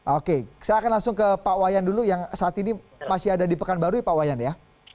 oke saya akan langsung ke pak iwayan dulu yang saat ini masih ada di pekan baru ya pak iwayan ya